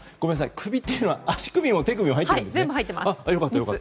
首っていうのは足首も手首も入っているんですね。